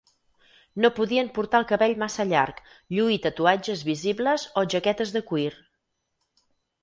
No podien portar el cabell massa llarg, lluir tatuatges visibles o jaquetes de cuir.